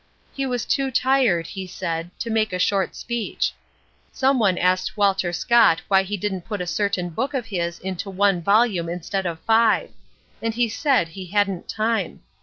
"He was too tired," he said, "to make a short speech. Some one asked Walter Scott why he didn't put a certain book of his into one volume instead of five. And he said he hadn't time.